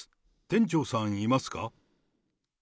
店長さんいますか？